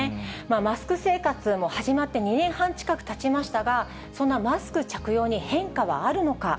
マスク生活も始まって２年半近くたちましたが、そんなマスク着用に変化はあるのか。